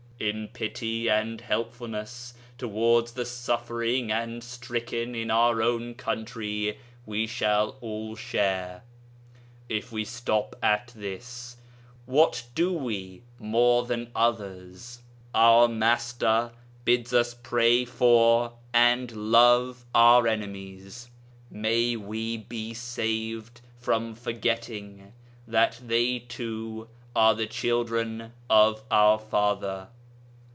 In pity and helpfulness towards the suffering and stricken in our own country we shall all share. If we stop at this, 'what do we more than others?' Our Master bids us pray for and love our enemies. May we be saved from forgetting that they too are the children of our Father.